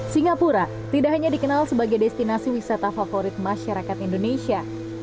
singapura tidak hanya dikenal sebagai destinasi wisata favorit masyarakat indonesia